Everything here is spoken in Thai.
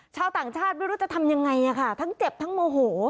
ชาวต่างชาติไม่รู้จะทำยังไงค่ะทั้งเจ็บทั้งโมโห